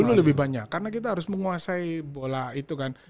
dulu lebih banyak karena kita harus menguasai bola itu kan